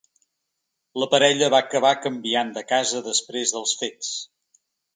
La parella va acabar canviant de casa després dels fets.